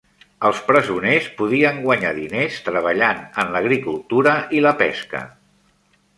Els presoners podien guanyar diners treballant en l'agricultura i la pesca.